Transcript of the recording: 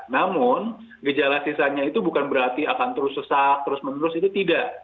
namun gejala sisanya itu bukan berarti akan terus sesak terus menerus itu tidak